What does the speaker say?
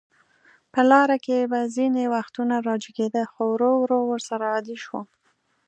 په لاره کې به ځینې وختونه راجګېده، خو ورو ورو ورسره عادي شوم.